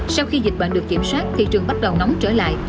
sau khi dịch bệnh được kiểm soát thị trường bắt đầu nóng trở lại